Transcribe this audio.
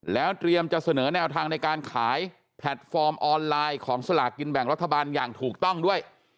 แล้วเตรียมจะเสนอแนวทางในการขายแพลตฟอร์มออนไลน์ของสลากกินแบ่งรัฐบาลอย่างถูกต้องด้วย